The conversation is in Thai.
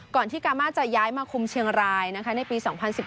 ก่อนที่กามาจะย้ายมาคุมเชียงรายในปี๒๐๑๗๒๐๑๘